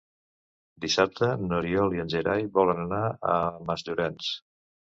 Dissabte n'Oriol i en Gerai volen anar a Masllorenç.